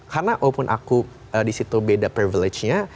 karena walaupun aku disitu beda privilege nya